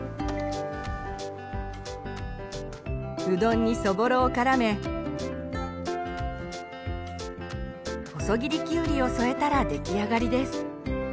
うどんにそぼろをからめ細切りきゅうりを添えたら出来上がりです。